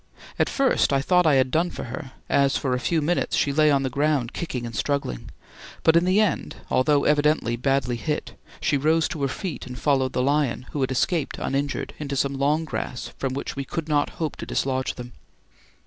At first I thought I had done for her, as for a few minutes she lay on the ground kicking and struggling; but in the end, although evidently badly hit, she rose to her feet and followed the lion, who had escaped uninjured, into some long grass from which we could not hope to dislodge them.